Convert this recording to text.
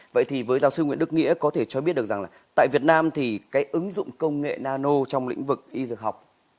vậy thì với giáo sư nguyễn đức nghĩa có thể cho biết được rằng là tại việt nam thì cái ứng dụng công nghệ nano trong lĩnh vực y dược học